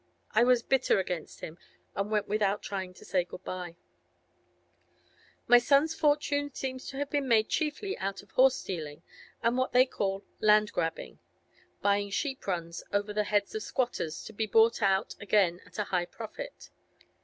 I was bitter against him, and went without trying to say good bye. 'My son's fortune seems to have been made chiefly out of horse dealing and what they call "land grabbing"—buying sheep runs over the heads of squatters, to be bought out again at a high profit.